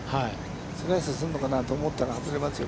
スライスするのかなと思ったら、外れますよ。